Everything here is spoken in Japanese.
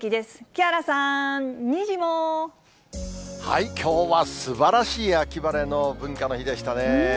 木原さん、きょうはすばらしい秋晴れの文化の日でしたね。